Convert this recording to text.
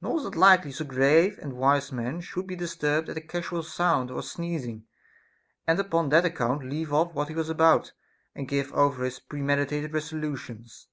Nor is it likely so grave and wise a man should be disturbed at a casual sound or sneezing, and upon that account leave' off what he was about, and give over his premeditated res olutions.